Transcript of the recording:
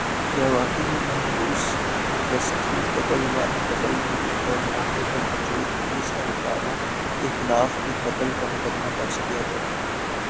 کہ واقعہ میں ملوث rescue double one double two اور موقع پر موجود پولیس اہلکاروں کے خلاف بھی قتل کا مقدمہ درج کیا جائے